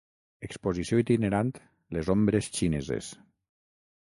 Exposició itinerant 'Les ombres xineses'